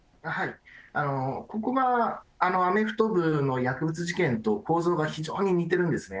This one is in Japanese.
ここがアメフト部の薬物事件と構造が非常に似てるんですね。